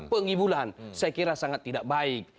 pengibulan saya kira sangat tidak baik